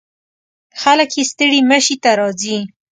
خلک یې ستړي مشي ته راځي.